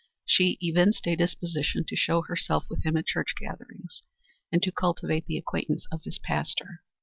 She evinced a disposition to show herself with him at church gatherings, and to cultivate the acquaintance of his pastor.